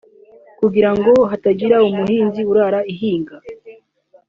kugira ngo hatagira umuhinzi urara ihinga